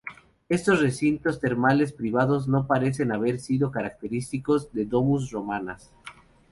Estos recintos termales privados no parecen haber sido característicos de "domus" romanas.